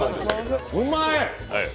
うまい！